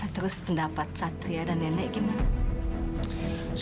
terus pendapat satria dan nenek gimana